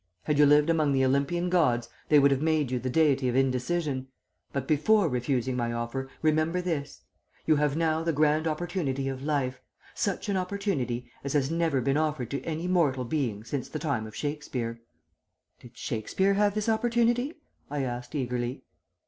Had you lived among the Olympian gods, they would have made you the Deity of Indecision; but before refusing my offer remember this, you have now the grand opportunity of life, such an opportunity as has never been offered to any mortal being since the time of Shakespeare ' "'Did Shakespeare have this opportunity?' I asked eagerly.